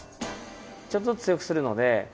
ちょっとずつ強くするので。